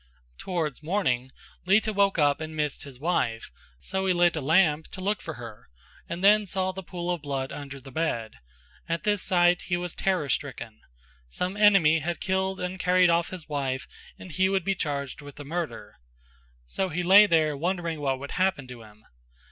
Towards morning Lita woke up and missed his wife, so he lit a lamp to look for her and then saw the pool of blood under the bed. At this sight he was terror stricken. Some enemy had killed and carried off his wife and he would be charged with the murder. So he lay there wondering what would happen to him.